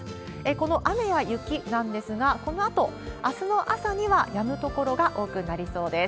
この雨や雪なんですが、このあと、あすの朝にはやむ所が多くなりそうです。